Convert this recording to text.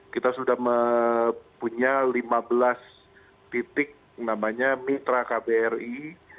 kita sudah punya lima belas titik namanya mitra kbri